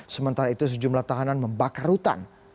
sementara itu sejumlah tahanan membakar rutan